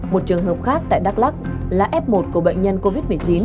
một trường hợp khác tại đắk lắc là f một của bệnh nhân covid một mươi chín